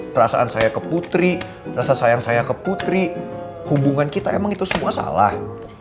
perasaan saya ke putri rasa sayang saya ke putri hubungan kita emang itu semua salah